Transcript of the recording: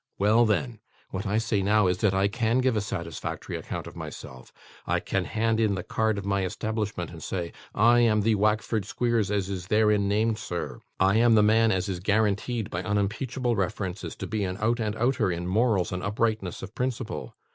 Well then, what I say now is, that I CAN give a satisfactory account of myself; I can hand in the card of my establishment and say, "I am the Wackford Squeers as is therein named, sir. I am the man as is guaranteed, by unimpeachable references, to be a out and outer in morals and uprightness of principle.